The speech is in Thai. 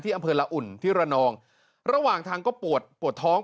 อำเภอละอุ่นที่ระนองระหว่างทางก็ปวดปวดท้อง